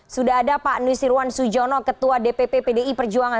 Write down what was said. sudah ada pak nusirwan sujono ketua dpp pdi perjuangan